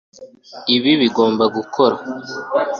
ibi bigomba gukora